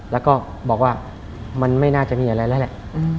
แล้วก็บอกว่ามันไม่น่าจะมีอะไรแล้วแหละ